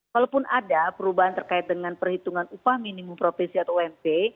walaupun ada perubahan terkait dengan perhitungan upah minimum profesi atau omp